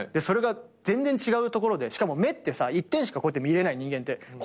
それが全然違うところでしかも目ってさ一点しか見れない人間って。